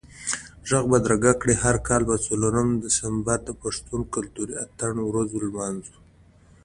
ږغ بدرګه کړئ، هر کال به څلورم دسمبر د پښتون کلتوري اتڼ ورځ لمانځو